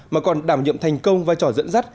mà còn đảm nhiệm thành công vai trò dẫn dắt